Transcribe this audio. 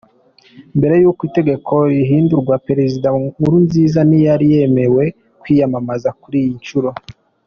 Mbere y’uko itegeko rihindurwa, Perezida Nkurunziza ntiyari yemerewe kwiyamamaza kuri iyi nshuro.